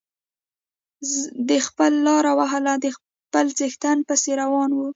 ده خپله لاره وهله د خپل څښتن پسې روان و.